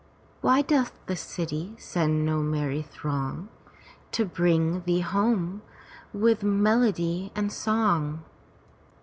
Why doth the city send no merry throng To bring thee home with melody and song?